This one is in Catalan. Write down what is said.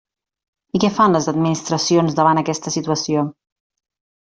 I què fan les administracions davant aquesta situació?